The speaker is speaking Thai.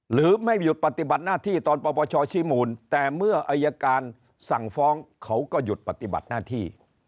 หรือไม่หยุดปฏิบัติหน้าที่ตอนปปชชี้มูลแต่เมื่ออายการสั่งฟ้องเขาก็หยุดปฏิบัติหน้าที่